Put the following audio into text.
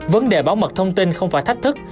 vấn đề bảo mật thông tin không phải thách thức